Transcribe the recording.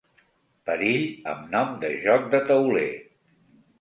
Perill amb nom de joc de tauler.